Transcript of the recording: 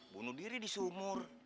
bunuh diri di sumur